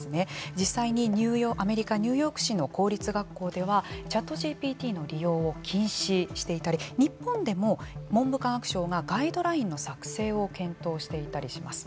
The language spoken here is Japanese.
実際にアメリカ・ニューヨーク市の公立学校ではＣｈａｔＧＰＴの利用を禁止していたり日本でも文部科学省がガイドラインの作成を検討していたりします。